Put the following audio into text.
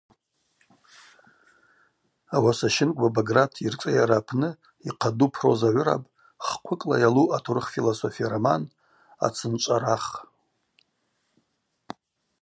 Ауаса Щынквба Баграт йыршӏыйара апны йхъаду проза гӏвырапӏ ххъвыкӏла йалу атурых-философия роман Ацынчӏварах.